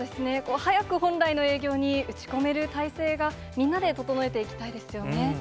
早く本来の営業に打ち込める態勢が、みんなで整えていきたいですよね。